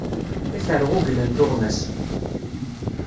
Ad k-rreɣ uglan tuɣmas.